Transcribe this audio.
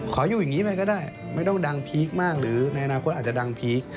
อยู่อย่างนี้ไปก็ได้ไม่ต้องดังพีคมากหรือในอนาคตอาจจะดังพีค